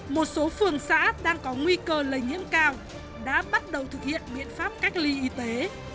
một số phường xã đang có nguy cơ lây nhiễm cao đã bắt đầu thực hiện biện pháp cách ly y tế